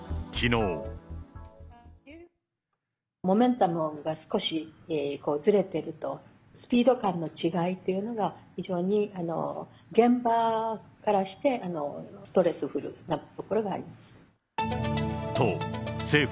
モメンタムが少しずれていると、スピード感の違いっていうのが、非常に現場からして、ストレスフルなところがあります。